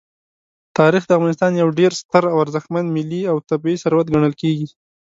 تاریخ د افغانستان یو ډېر ستر او ارزښتمن ملي او طبعي ثروت ګڼل کېږي.